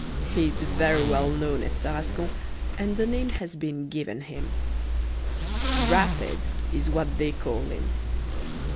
He is very well known at Tarascon, and a name has been given him. "Rapid" is what they call him.